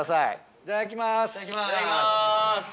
いただきます。